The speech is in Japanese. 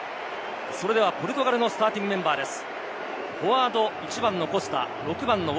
それではポルトガルのスターティングメンバーです。